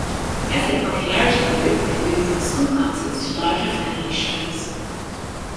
As their popularity grew, they moved from school concerts to larger family shows.